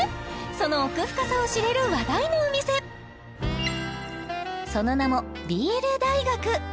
その奥深さを知れる話題のお店その名も麦酒大学